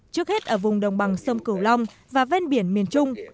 trước hết ở vùng đồng bằng sông cửu long và ven biển miền trung